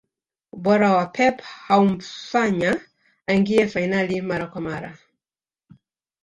ubora wa pep haumfanya aingie fainali mara kwa mara